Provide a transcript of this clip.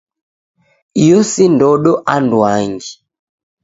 Iyo si ndodo anduangi.